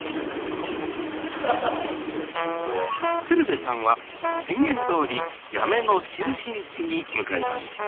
鶴瓶さんは宣言どおり八女の中心地に向かいます